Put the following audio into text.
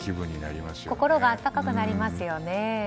心が温かくなりますね。